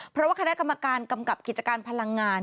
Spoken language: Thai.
เพราะว่าคณะกรรมการกำกับกิจการพลังงาน